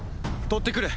取ってくる！